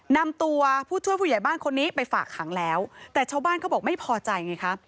นำตัวผู้ช่วยผู้ใหญ่บ้านคนนี้ไปฝากขังแล้วแต่ชาวบ้านเขาบอกไม่พอใจไงคะ